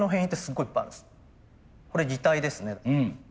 これ擬態ですね。